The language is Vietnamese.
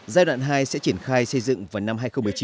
giai đoạn hai sẽ triển khai xây dựng vào năm hai nghìn một mươi chín